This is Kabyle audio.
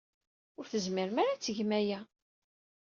Ur tezmirem ara ad tgem aya!